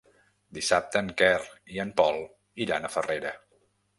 Dissabte en Quer i en Pol iran a Farrera.